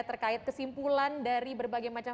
terkait kesimpulan dari berbagai macam